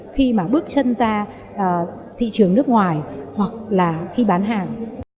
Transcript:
khi mà bước chân ra thị trường nước ngoài hoặc là khi bán hàng